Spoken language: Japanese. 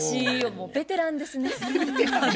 もうベテランですね。